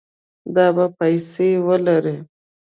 دا به پیسې ولري